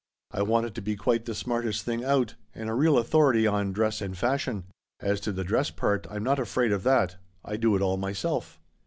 I want it to be quite the smartest thing out, and a real authority on dress and fashion. As to the dress part, I'm not afraid of that. I do it all myself."